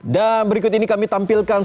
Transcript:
dan berikut ini kami tampilkan